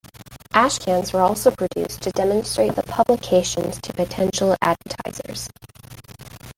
Ashcans were also produced to demonstrate the publications to potential advertisers.